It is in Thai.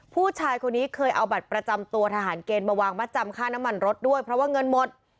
ผู้ชายคนนี้เคยเอาบัตรประจำตัวทหารเกณฑ์มาวางมัดจำค่าน้ำมันรถด้วยเพราะว่าเงินหมด